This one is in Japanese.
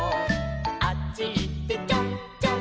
「あっちいってちょんちょん」